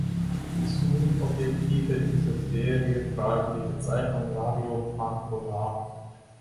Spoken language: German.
Die Zoomobjektive dieser Serie tragen die Bezeichnung „Vario-Pancolar“.